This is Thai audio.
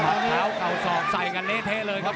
มาเขาเขาศอกไส้กันเลเทศเลยครับ